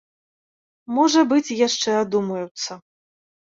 Можа быць, яшчэ адумаюцца.